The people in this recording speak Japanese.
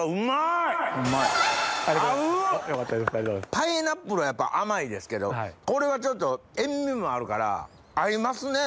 パイナップルやったら甘いですけどこれはちょっと塩みもあるから合いますね！